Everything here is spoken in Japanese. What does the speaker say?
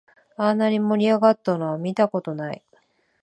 あんなに盛り上がったのは見たことない